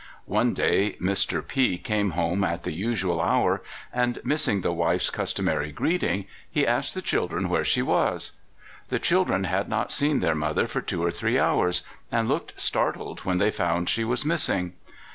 One day Mr. P came home at the usual hour, and, missing the wife's customary greeting, he asked ;the children where she was. The children had not seen their mother for two or three hours, and looked startled when they found she was missing.